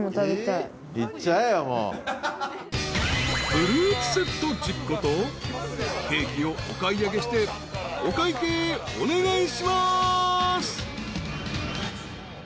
［フルーツセット１０個とケーキをお買い上げしてお会計お願いします］